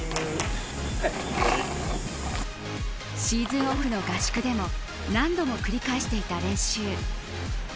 シーズンオフの合宿でも何度も繰り返していた練習。